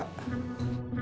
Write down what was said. tidak ada apa apa